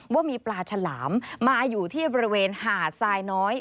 ว่ามีปลาฉลามมาอยู่ที่บริเวณหาดทรายน้อย